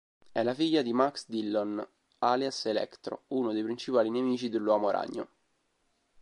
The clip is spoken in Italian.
È la figlia di Max Dillon, alias Electro uno dei principali nemici dell'Uomo Ragno.